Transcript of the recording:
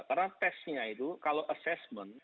karena testnya itu kalau assessment